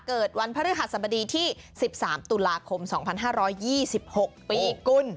เกิดวันพระฤหัสบดีที่๑๓ตุลาคม๒๕๒๖ปีกุล